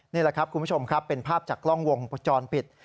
นี่แหละครับคุณผู้ชมครับเป็นภาพจากกล้องวงจรปิด